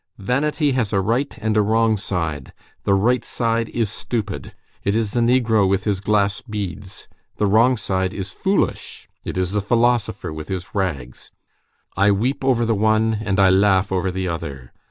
Vanity has a right and a wrong side; the right side is stupid, it is the negro with his glass beads; the wrong side is foolish, it is the philosopher with his rags. I weep over the one and I laugh over the other.